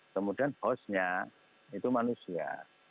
kemudian hostnya itu manusia